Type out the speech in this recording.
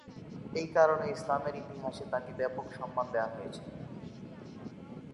এই কারণে ইসলামের ইতিহাসে তাকে ব্যাপক সম্মান দেওয়া হয়েছে।